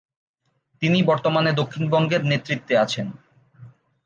তিনি বর্তমানে দক্ষিণ বঙ্গের নেতৃত্বে আছেন।